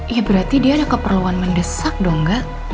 ya berarti dia ada keperluan mendesak dong enggak